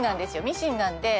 ミシンなんで。